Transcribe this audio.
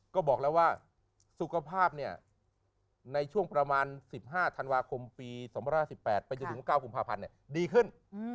ก็บอกแล้วว่าสุขภาพในช่วงประมาณ๑๕ธันวาคมปี๒๕๑๘ไปจนถึง๙กุมภาพันธ์ดีขึ้น